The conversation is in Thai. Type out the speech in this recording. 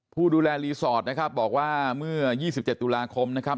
ผู้ดูแลรีสอร์ทนะครับบอกว่าเมื่อ๒๗ตุลาคมนะครับ